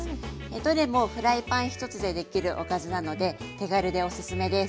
どれもフライパン１つでできるおかずなので手軽でおすすめです。